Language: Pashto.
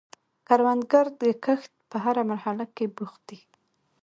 کروندګر د کښت په هره مرحله کې بوخت دی